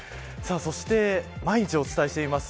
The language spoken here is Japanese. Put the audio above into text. そして、毎日お伝えしています